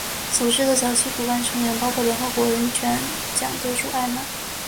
组织的早期骨干成员包括联合国人权奖得主艾玛。